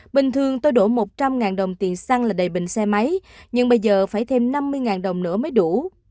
bình thường tôi đổ một trăm linh đồng tiền xăng là đầy bình xe máy nhưng bây giờ phải thêm năm mươi đồng nữa mới đủ